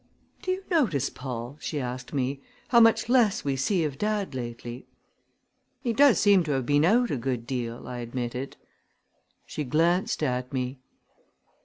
"Do you notice, Paul," she asked, "how much less we see of dad lately?" "He does seem to have been out a good deal," I admitted. She glanced at me.